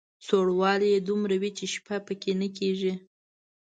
سوړوالی یې دومره وي چې شپه په کې نه کېږي.